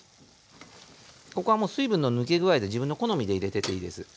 ここはもう水分の抜け具合で自分の好みで入れてっていいです。